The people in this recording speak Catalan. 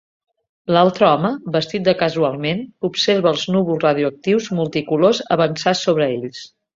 L'altre home, vestit de casualment, observa els núvols radioactius multicolors avançar sobre ells.